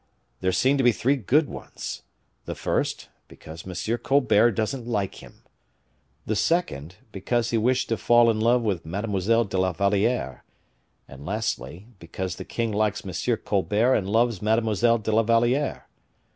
There seem to be three good ones: the first, because M. Colbert doesn't like him; the second, because he wished to fall in love with Mademoiselle de la Valliere; and lastly, because the king likes M. Colbert and loves Mademoiselle de la Valliere.